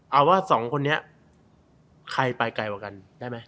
เอาว่าสองคนนี้ใครไปไกลกว่ากันได้ไหม